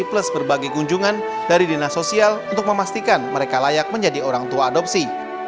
plus berbagai kunjungan dari dinas sosial untuk memastikan mereka layak menjadi orang tua adopsi